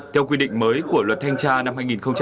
theo quy định mới của luật thanh tra năm hai nghìn hai mươi hai